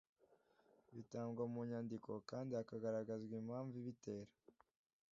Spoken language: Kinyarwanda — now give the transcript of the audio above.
bitangwa mu nyandiko kandi hakagaragazwa impamvu ibitera